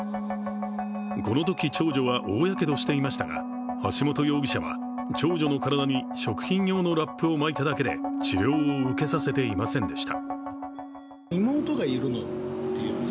このとき長女は大やけどしていましたが橋本容疑者は長女の体に食品用のラップを巻いただけで治療を受けさせていませんでした。